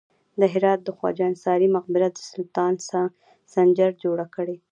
د هرات د خواجه انصاري مقبره د سلطان سنجر جوړه کړې